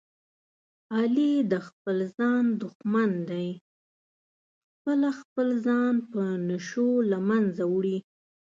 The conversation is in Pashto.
علي د خپل ځان دښمن دی، خپله خپل ځان په نشو له منځه وړي.